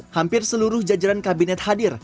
hampir seluruh jajaran kabinet hadir